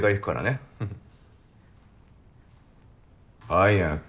早く。